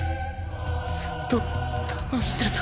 ずっと騙してた。